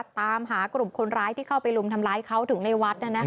ตามหากลุ่มคนร้ายที่เข้าไปรุมทำร้ายเขาถึงในวัด